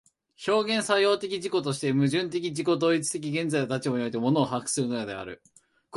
表現作用的自己として、矛盾的自己同一的現在の立場において物を把握するのである。